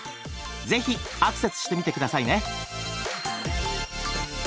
ぜひアクセスしてみて下さいね。